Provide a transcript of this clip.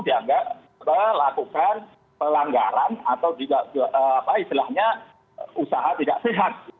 sehingga melakukan pelanggaran atau juga usaha tidak sehat